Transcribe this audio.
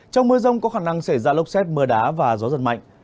trong mưa rông có khả năng xảy ra lốc xét mưa đá và gió giật mạnh